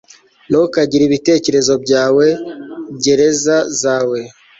ntukagire ibitekerezo byawe gereza zawe